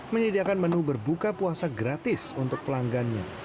menyediakan menu berbuka puasa gratis untuk pelanggannya